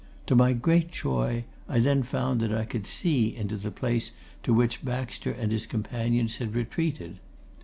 To my great joy, I then found that I could see into the place to which Baxter and his companions had retreated.